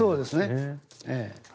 そうですね。